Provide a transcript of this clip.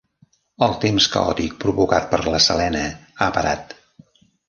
El temps caòtic provocat per la Selena ha parat.